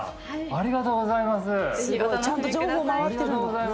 ありがとうございます！